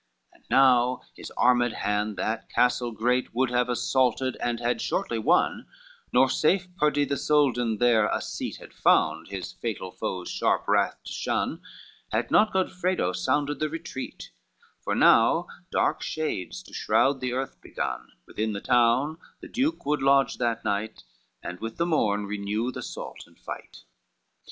L And now his armed hand that castle great Would have assaulted, and had shortly won, Nor safe pardie the Soldan there a seat Had found his fatal foes' sharp wrath to shun, Had not Godfredo sounded the retreat; For now dark shades to shroud the earth begun, Within the town the duke would lodge that night, And with the morn renew the assault and fight.